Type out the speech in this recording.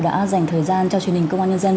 đã dành thời gian cho truyền hình công an nhân dân